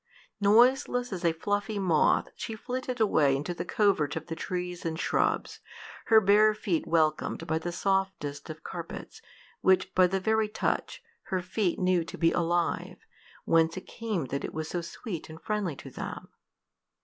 Noiseless as a fluffy moth she flitted away into the covert of the trees and shrubs, her bare feet welcomed by the softest of carpets, which, by the very touch, her feet knew to be alive, whence it came that it was so sweet and friendly to them.